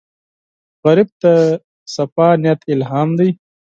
غریب ته پاک نیت الهام دی